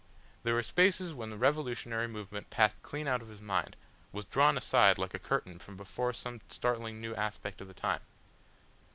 There were spaces when the revolutionary movement passed clean out of his mind, was drawn aside like a curtain from before some startling new aspect of the time.